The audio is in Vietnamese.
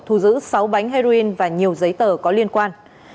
thu giữ sáu bánh heroin và nhiều giấy tờ có liên quan